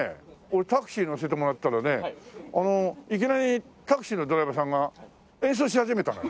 俺タクシーに乗せてもらったらねあのいきなりタクシーのドライバーさんが演奏し始めたの。